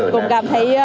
cũng cảm thấy